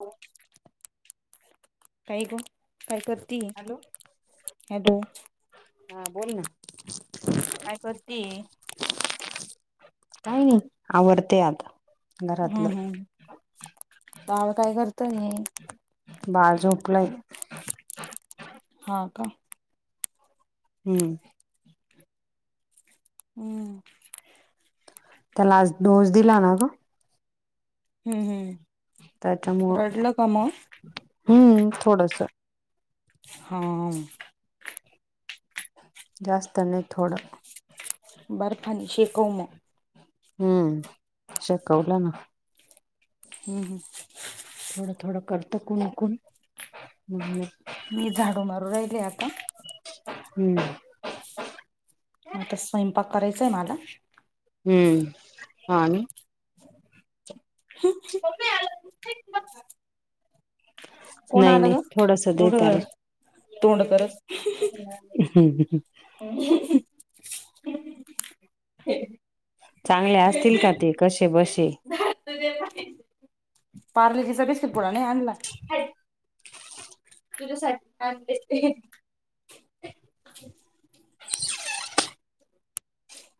हो काही ग काय करती हॅलो हॅलो. हा बोल ना. काय करती. काय नाही. आवडते आता. घरातलं हम्म हम् बाळं काय करत करतोय. बाळ झोपलय. हा का हम्म. हम्. त्या लास्टडोज दिला ना ग. हम्म हम्. त्याच्यामुळं हम्म थोडस. हा. जास्त नाही थोडं. बरफान शे क म हम्म शिकवलं ना. हम् हम. थोडं थोडं करत कुंकुण म्ह मी झाडू मारू राहिले आता हम्म. मग तर स्वयंपाक करायचाय मला हम्म हा. हो्. [inaudible] कोण नाही नाही आलं ग थोडास देतल. एवढं तोंड करत हम्म. चांगले असतील का ते कसे बसे. पार्ले जचा बेस् पुड नाही अला तुझ्यासाठी? [inaudible]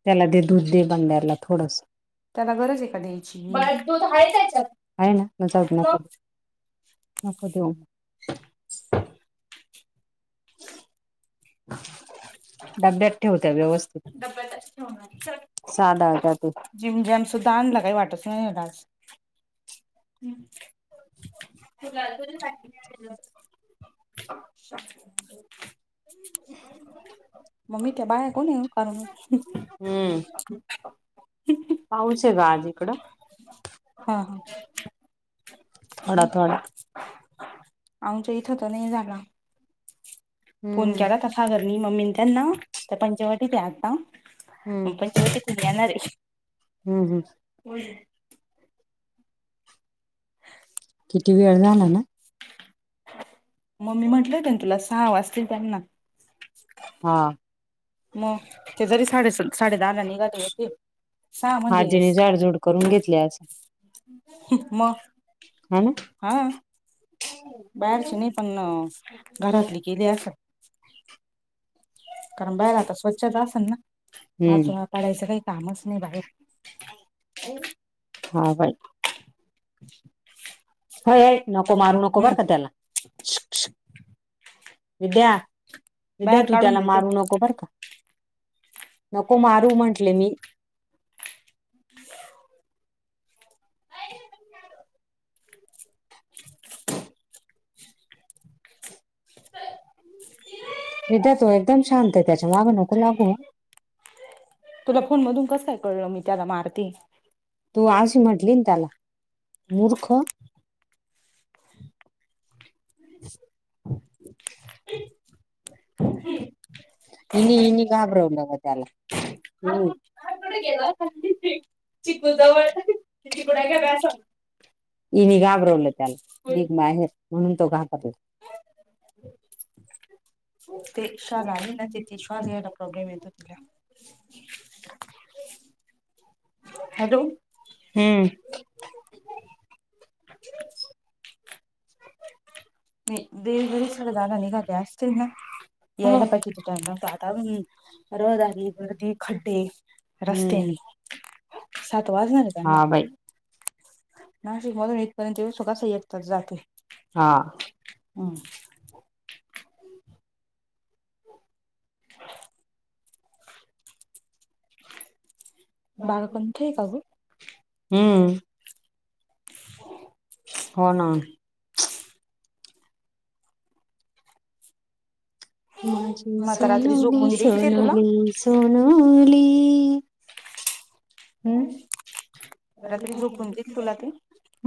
त्याला दे दूध दे बंड्यारला थोडस. त्याला गरज आहे काधी ब दूध आहे का आहे नाज नक नको देऊ. ह. [inaudible] ह. डब्यात ठेवत्या व्यवस्थित साधा त्या ते जी म्हजेम सुद्धा आणला काही वाटत नाही डान्स. हम्. त. मममी त्या बाय आहे कोणी कारण हम्म पाऊस आहे ग आज इकडं. हा हा. थोडा थोडा आमच्या इथं तर नाही झाला. फोन हम्म केला का घर मम्मीने त्यांना त्या पंचवटी ते आता हम्म पईती येणार. हम् हम्. हो. किती वेळ झाला ना. [inaudible] मम्मी म्हटलं होते तुला सहाव वाचतील त्यांना हा. मग ते जरी साडे साडे ददाांनीघर होती. सां म्हणजे आजीने झाडझूड करून घेतली अस मग हा ना हा बाहेरचे नाही पण घरातली गली अस. कारण बाहेर आता स्वच्छता हम्म. असेल ना पाचोळा पाडायचं काही कामच नाही बाहेर हां बाय. होय होय नको मारू नको बर का त्याला [unintelligible] विद्या, विद्या बाहेर तू काढून त्याला देते मारू नको बर का. नको मारू म्हटले. [inaudible] चल विद्या तो एकदम शांत आहे त्याच्या माग नको लागू. तुला फोन मधून कसं काय कळलं मी त्याला मारतेय. तो तू आज अशी म्हटली ना खुप त्याला मूर्ख [unintelligible] [inaudible] नेहमी घाबरव नको त्याला. तो कुठे गेला मी एकटीच आहे. चिकु जवळ [unintelligible] नेहमी घाबरवलं त्याला एक बाहेर म्हणून तो घाबरला. ते श्वास आहे ना तेिथे श्वास घ्यायला प्रॉब्लेम येतो तिला. [inaudible] हॅलो हम्म. [inaudible] मी देव जरी सगळ जण निघाले असतील का यायला पाहिजेत की आता काय ते हम्म. आता रहदारी, वर ते खड्डे रस्त्याने हम् सात वाजणारे हां बाई नाशिकमधून इथपर्यंत येवुस स्वगता एक तास जातो. हां. [inaudible] बागा कोणती आहे का गं हम्म. हो ना. माझी मग आता रात्री सोनुली झोपून देईल ते तुला सोनुली सोनुली.... हम्म. रात्री झोपून देईल तुला ते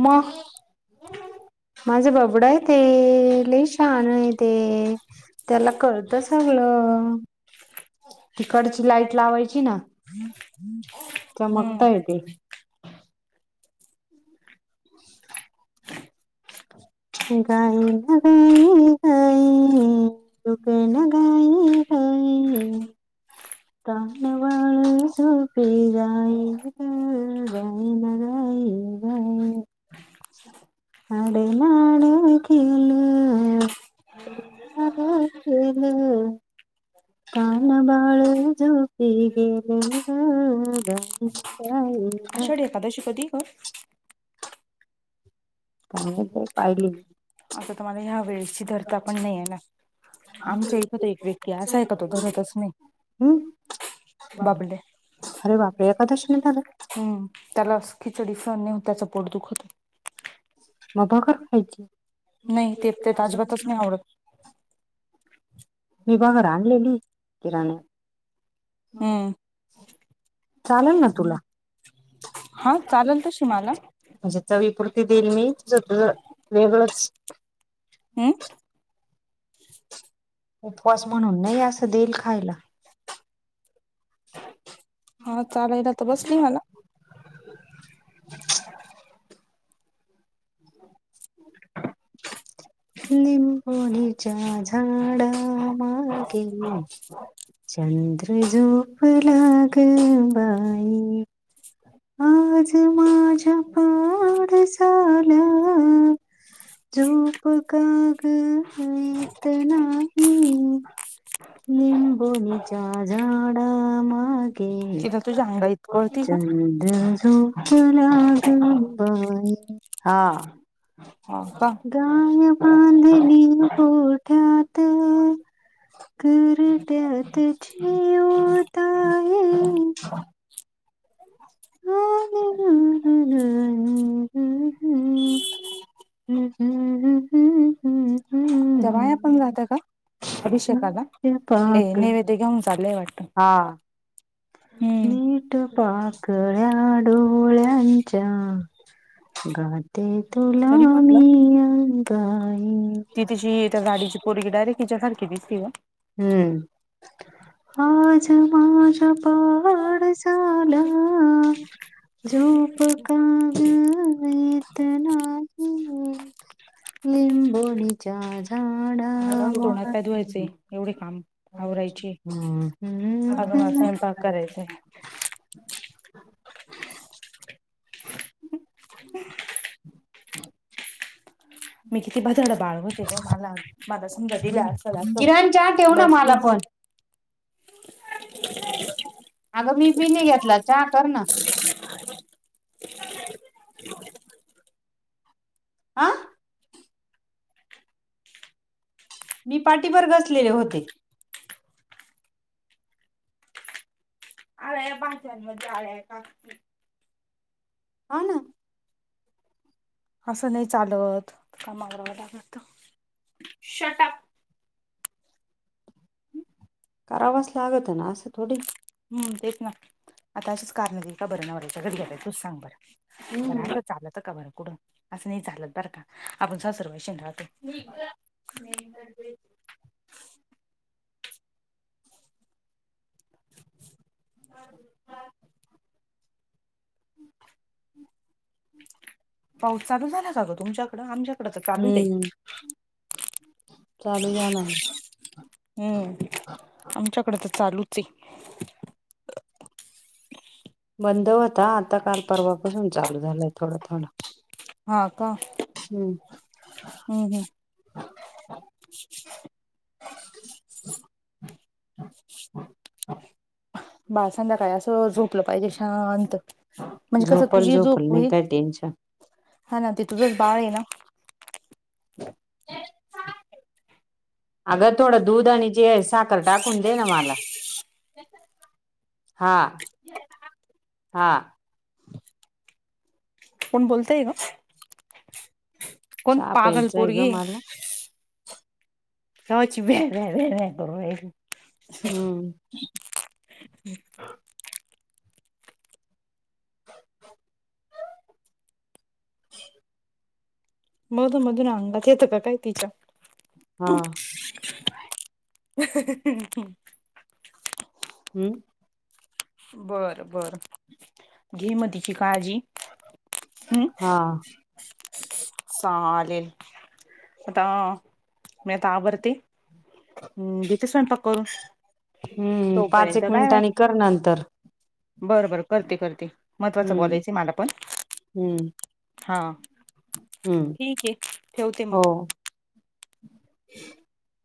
म [inaudible] माझं बबडा आहे ते लई शान आहे ते त्याला कळ त सगळ. तिकडची लाईट लावायची ना. चमकता हम्म येते. [inaudible] गाय ना गाय गाई तूक ना गाय गाय तान बाळ झोपी जाई गाणं गाई रायणार आई. [inaudible] आडे नाड खेळं. आडे नाड खेळ. ताने बाळ झोपी गेले ग गई गई आषाढी एकादशी कधी आहे ग? [unintelligible] आता तुम्हांला ह्या वेळेची धरता पण नाही येणार. आमच्या इथं तर एक व्यक्ती असा आहे का तो धरतच नाही. हम्म. बबल्या अरे बापरे एकादशीने झालं हम्म. त्याला अस खिचडी सहन नाही होत त्याच पोट दुखत. मग भगर खायची नाही तेप ते त अजिबातच नाही आवडत. मी भगर आणलेली किराण्यात हं. हम्म चाललं ना तुला. हा चाललं तशी मला. म्हणजे चवीपूरती देईल मी तुझं तुझं वेगळंच अं उपवास म्हणून नाही असं देईल खायला. हा चालायला त बसली मला. [inaudible] निंबोनीच्या झाडामागे चंद्र झोपला ग बाई. आज माझ्या पा डसाला झोप काग येत नाही निंबो बोनीच्या झाडा मागे तिला तुझ्या अंगा इतकं कळती का चं द्र झोपला ग बाई हा. हो का गाय बांधली गोठ्यात. घरट्यात चिऊताई [inaudible] हम. हम हम हं. हम हम हम. त्या बाया पण जात्या का अभिषेकाला? ए पाक नैवेद्य घेऊन चाललंय वाटत हम्म. मिट पाकळ्या डोळ्यांच्या गा ते तुला तरी पण मी अंगाई. ती तिची त्या गाडीची पोरगी डायरेक्ट हिच्यासारखी दिसती गं. हम्म आज माझ्या पाडसाला झोप काग येत नाही लिंबोणीच्या झा आता जावून तोंड हात पाय धुवायचे एवढे काम आवरायचीय हम्म हम्म, अजून मला हम्म. स्वयंपाक करायचाय. मी किती भदाड बाळ होते ग मला माला समजा दिला असेल असं प्लस बीस [inaudible] अगं मी बी नाई घेतला चहा कर ना. [inaudible] आ. मी पाटीभर घसलेले होते. आळ्याय भाज्यांमध्ये आळ्याय का कि हा ना. असं नाही चालत काम आवरावं लागन आता शट अप. करावाच लागत ना असं थोडी. हम तेच ना आता अशीच कारण देईल का बर नवरच्या घरी गेल्यावर तूच सांग बर बर हम्म आता चालत का बरं कुडून असं नाही चालत बरं का आपण सासुरवाशिन राह [inaudible] [inaudible] पाऊस चालू झाला का गं तुमच्याकड? आमच्याक हम्म चालू झाला न. हम्म आमच्याकडं तर चालूचये. बंद होता आता काल परवा पासून चालू झालाय थोडा थोडा. हां का. हम. हम हम. बाळ संध्याकाळी असं झोपलं पाहिजे शांत. म्हणजे कसं झोपल तुझी ही झोप झोपल नाही होईल काय टेन्शन हां ना ते तुझंच बाळ आहे ना. [inaudible] आगं थोडं दूध आणि जे आहे साखर टाकून दे ना मला. हां हां. कोण बोलताय गं कोण चहा पागल प्यायचा आहे ग पोरगी मला कव्हाची व्ह्या व्ह्या व्ह्या व्ह्या करून हम्म [inaudible] मधून मधून अंगात येतं का काय तिच्या हां. [inaudible] हम्म. बर बर घे मग तिची काळजी. हम्म हा चालेल. आता मी आता आवरते हम्म घिते स्वयंपाक करून. हम्म पाच, तोपर्यंत एक बाय बाय मिनिटांनी कर नंतर बरं बरं करते करते महत्त्वाचं हम्म बोलायचं मला पण हम्म हां. हम्म ठीक ये ठेवते हो मग. [inaudible]